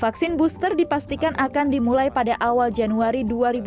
vaksin booster dipastikan akan dimulai pada awal januari dua ribu dua puluh